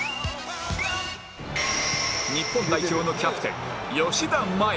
日本代表のキャプテン吉田麻也